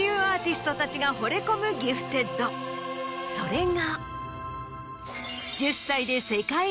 それが。